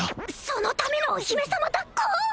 そのためのお姫様だっこ！？